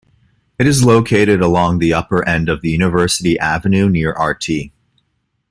It is located along the upper end of University Avenue near Rt.